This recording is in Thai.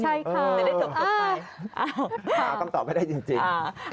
ใช่ค่ะอ้าวค่ะต้องตอบไม่ได้จริง